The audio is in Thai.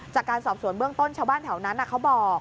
จากการสอบสวนเบื้องต้นชาวบ้านแถวนั้นเขาบอก